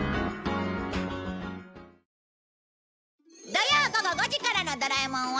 土曜午後５時からの『ドラえもん』は